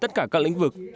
tất cả các lĩnh vực